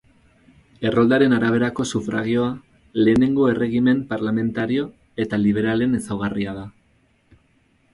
Erroldaren araberako sufragioa lehenengo erregimen parlamentario eta liberalen ezaugarria da.